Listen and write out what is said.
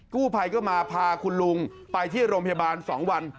กู้ภัยก็มาพาคุณลุงไปที่โรงพยาบาล๒วัน